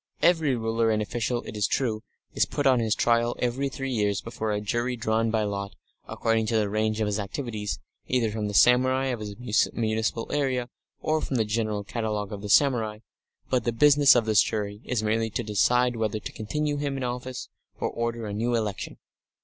Every ruler and official, it is true, is put on his trial every three years before a jury drawn by lot, according to the range of his activities, either from the samurai of his municipal area or from the general catalogue of the samurai, but the business of this jury is merely to decide whether to continue him in office or order a new election.